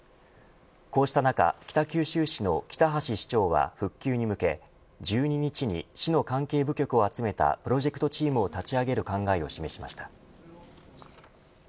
こうした中北九州市の北橋市長は復旧に向け１２日に市の関係部局を集めたプロジェクトチームを立ち上げる考えを示しました。